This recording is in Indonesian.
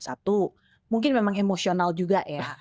satu mungkin memang emosional juga ya